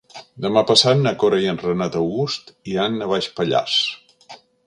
Demà passat na Cora i en Renat August iran a Baix Pallars.